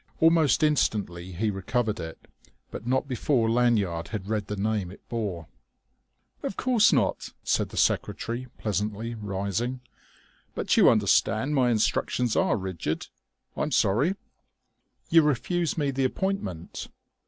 Almost instantly he recovered it, but not before Lanyard had read the name it bore. "Of course not," said the secretary pleasantly, rising. "But you understand my instructions are rigid ... I'm sorry." "You refuse me the appointment?"